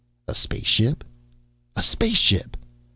A spaceship? A spaceship!